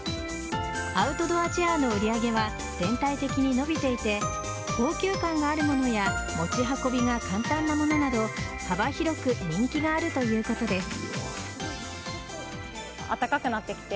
アウトドアチェアの売り上げは全体的に伸びていて高級感があるものや持ち運びが簡単なものなど幅広く人気があるということです。